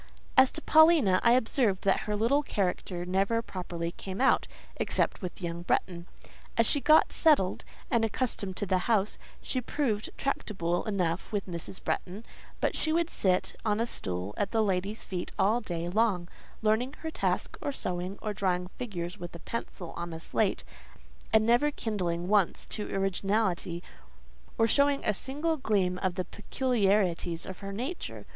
As to Paulina, I observed that her little character never properly came out, except with young Bretton. As she got settled, and accustomed to the house, she proved tractable enough with Mrs. Bretton; but she would sit on a stool at that lady's feet all day long, learning her task, or sewing, or drawing figures with a pencil on a slate, and never kindling once to originality, or showing a single gleam of the peculiarities of her nature.